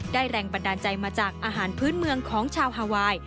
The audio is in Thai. แรงบันดาลใจมาจากอาหารพื้นเมืองของชาวฮาไวน์